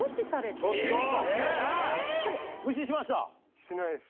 してないです。